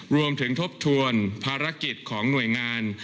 รวมถึงทบทวนภารกิจของหน่วยงาน